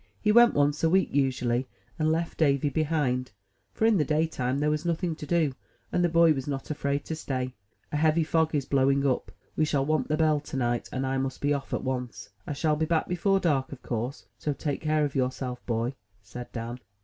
He went once a week, usually, and left Davy behind, for in the daytime there was nothing to do, and the boy was not afraid to stay. A heavy fog is blowing up: we shall want the bell tonight, and I must be off at once. I shall be back before dark, of course; so take care of yourself, boy,'' said Dan.